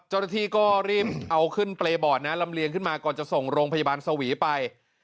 เจ้าหน้าที่ก็รีบเอาขึ้นเปรย์บอร์ดนะลำเลียงขึ้นมาก่อนจะส่งโรงพยาบาลสวีไป